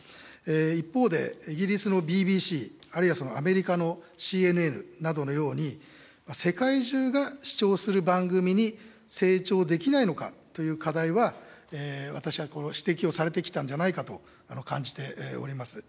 一方でイギリスのＢＢＣ、あるいはアメリカのＣＮＮなどのように、世界中が視聴する番組に成長できないのかという課題は、私は指摘をされてきたんじゃないかと感じております。